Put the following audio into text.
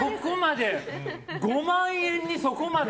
５万円にそこまで。